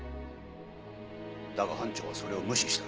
だが班長はそれを無視した。